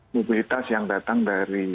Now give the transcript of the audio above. mobilitas yang datang dari